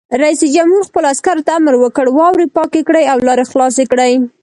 رئیس جمهور خپلو عسکرو ته امر وکړ؛ واورې پاکې کړئ او لارې خلاصې کړئ!